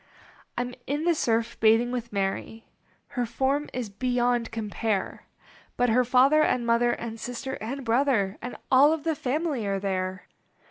I m in the surf bathing with Mary ; Her form is beyond compare ; But her father and mother And sister and brother And all of the family are there.